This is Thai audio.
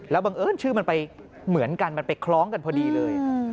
บังเอิญชื่อมันไปเหมือนกันมันไปคล้องกันพอดีเลย